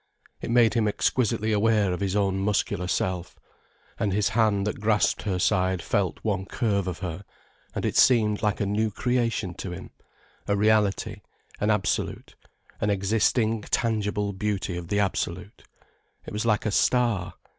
It made him exquisitely aware of his own muscular self. And his hand that grasped her side felt one curve of her, and it seemed like a new creation to him, a reality, an absolute, an existing tangible beauty of the absolute. It was like a star.